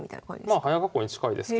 まあ早囲いに近いですけど。